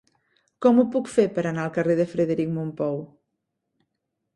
Com ho puc fer per anar al carrer de Frederic Mompou?